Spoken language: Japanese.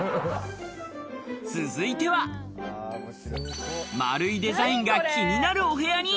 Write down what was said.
続いては丸いデザインが気になるお部屋に。